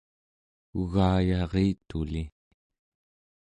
u͡gayarituli